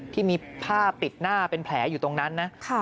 ที่มีผ้าปิดหน้าเป็นแผลอยู่ตรงนั้นนะ